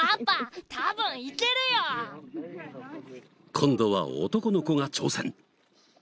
今度は男の子が挑戦。